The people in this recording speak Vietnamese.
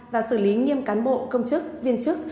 và xử lý nghiêm cán bộ công chức viên chức